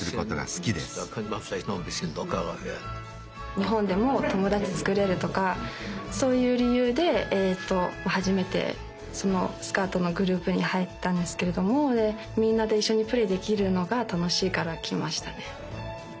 日本でも友達つくれるとかそういう理由で初めてそのスカートのグループに入ったんですけれどもみんなで一緒にプレイできるのが楽しいから来ましたね。